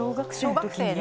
小学生で。